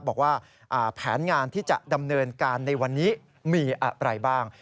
บอกว่าแผนงานที่จะดำเนินการในวันนี้มีอะไรบ้าง